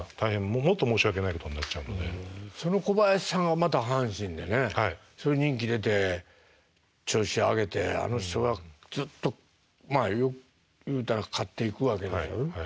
その小林さんがまた阪神でね人気出て調子上げてあの人がずっとまあ言うたら勝っていくわけでしょ。